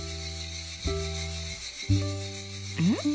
うん？